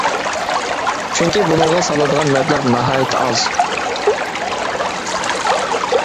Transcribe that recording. چۈنكى بۇنىڭغا سالىدىغان مەبلەغ ناھايىتى ئاز.